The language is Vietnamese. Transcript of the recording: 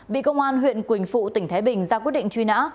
bị công an huyện quỳnh phụ tỉnh thái bình ra quyết định truy nã